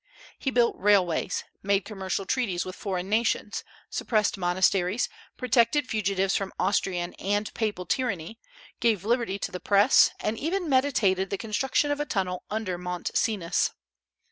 He built railways, made commercial treaties with foreign nations, suppressed monasteries, protected fugitives from Austrian and Papal tyranny, gave liberty to the Press, and even meditated the construction of a tunnel under Mont Cenis.